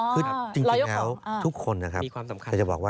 คือจริงแล้วทุกคนรู้ครับ